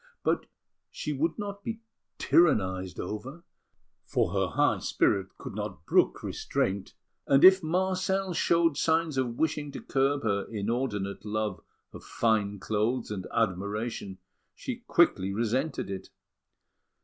But she would not be tyrannised over, for her high spirit could not brook restraint; and if Marcel showed signs of wishing to curb her inordinate love of fine clothes and admiration, she quickly resented it.